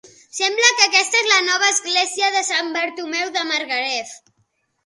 Sembla que aquesta és la nova església de Sant Bartomeu de Margalef.